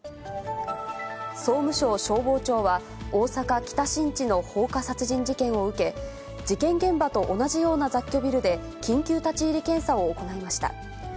総務省消防庁は、大阪・北新地の放火殺人事件を受け、事件現場と同じような雑居ビルで、緊急立ち入り検査を行いました。